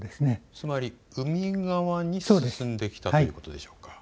つまり海側に進んできたということでしょうか。